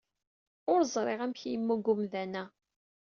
Ur ẓriɣ amek yemmug umdan-a.